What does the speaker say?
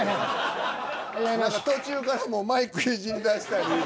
途中からもうマイクいじりだしたり。